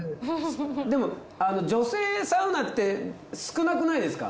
でも女性サウナって少なくないですか？